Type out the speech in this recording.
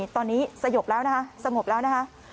ตอนนี้สงบแล้วนะคะ